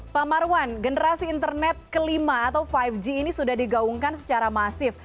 pak marwan generasi internet kelima atau lima g ini sudah digaungkan secara masif